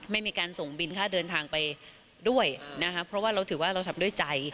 ไม่มีการส่งบินค่าเดินทางไปด้วยนะคะเพราะว่าเราถือว่าเราทำด้วยใจ